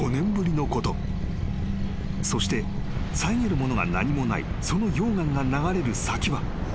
［そして遮るものが何もないその溶岩が流れる先は］